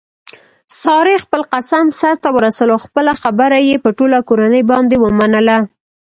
سارې خپل قسم سرته ورسولو خپله خبره یې په ټوله کورنۍ باندې ومنله.